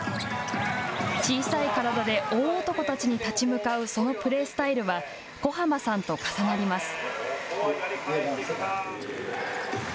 小さい体で大男たちに立ち向かうそのプレースタイルは小浜さんと重なります。